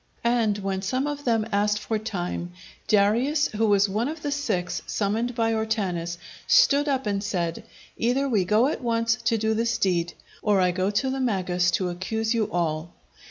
And when some among them asked for time, Darius, who was one of the six summoned by Ortanes, stood up and said, "Either we go at once to do this deed, or I go to the Magus to accuse you all."